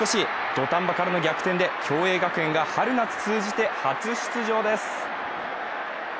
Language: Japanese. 土壇場からの逆転で共栄学園が春夏通じて初出場です。